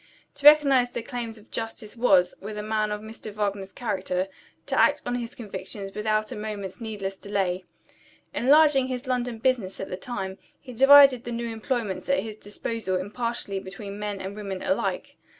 To recognize the claims of justice was, with a man of Mr. Wagner's character, to act on his convictions without a moment's needless delay. Enlarging his London business at the time, he divided the new employments at his disposal impartially between men and women alike.